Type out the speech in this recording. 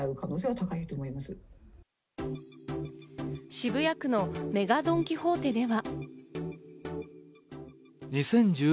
渋谷区のＭＥＧＡドン・キホーテでは。